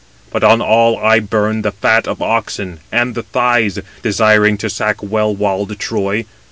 273 But on all I burned the fat of oxen and the thighs, desiring to sack well walled Troy.